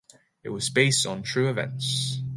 It was based on true events.